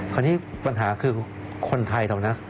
คราวนี้ปัญหาคือคนไทยเท่านั้น